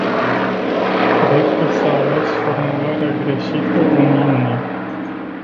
Cred că s-a ales formularea greșită în iunie.